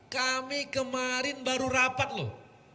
kami kemarin baru rapat loh